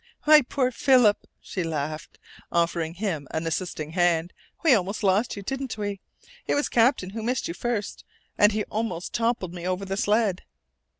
"My poor Philip!" she laughed, offering him an assisting hand. "We almost lost you, didn't we? It was Captain who missed you first, and he almost toppled me over the sled!"